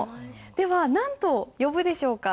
では何と呼ぶでしょうか？